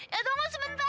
ya tunggu sebentar